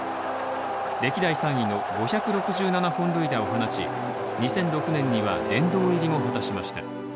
歴代３位の５６７本塁打を放ち、２００６年には殿堂入りを果たしました。